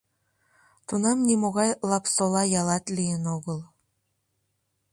Тунам нимогай Лапсола ялат лийын огыл.